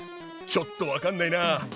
ちょっと分かんないなぁ。